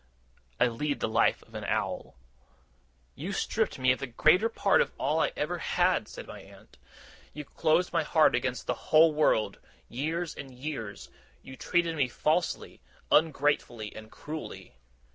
'I lead the life of an owl.' 'You stripped me of the greater part of all I ever had,' said my aunt. 'You closed my heart against the whole world, years and years. You treated me falsely, ungratefully, and cruelly.